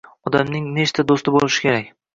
Odamning nechta do‘sti bo‘lishi kerak?